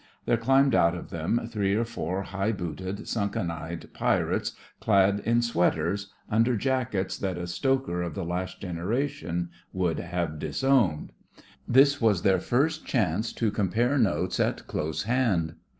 There climbed out of them three or four high booted, sunken eyed pirates clad in sweaters, under jackets that a stoker of the last generation would THE FRINGES OF THE FLEET 41 have disowned. This was their first chance to compare notes at close hand.